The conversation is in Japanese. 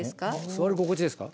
座り心地ですか？